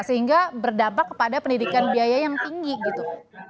sehingga berdampak kepada pendidikan biaya yang tinggi gitu